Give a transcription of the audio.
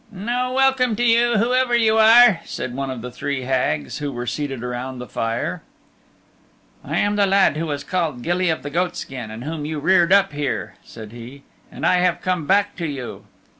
"No welcome to you, whoever you are," said one of the three Hags who were seated around the fire. "I am the lad who was called Gilly of the Goatskin, and whom you reared up here," said he, "and I have come back to you."